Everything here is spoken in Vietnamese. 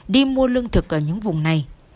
đi mua lương thực ở những vùng này